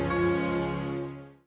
biar lebih enak